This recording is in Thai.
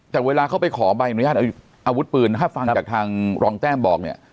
แต่เวลาเขาไปขอใบอนุญาตอาวุธปืนถ้าฟังจากทางรองแต้มบอกเนี่ย